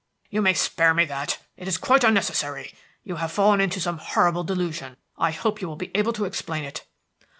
"You may spare me that. It is quite unnecessary. You have fallen into some horrible delusion. I hope you will be able to explain it."